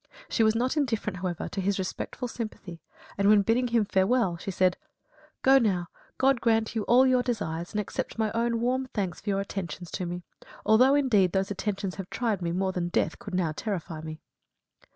She was not indifferent, however, to his respectful sympathy and when bidding him farewell, she said: "Go now; God grant you all your desires, and accept my own warm thanks for your attentions to me; although, indeed, those attentions have tried me more than death could now terrify me."